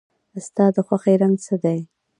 ستا د خوښې رنګ څه دی؟